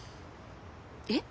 えっ？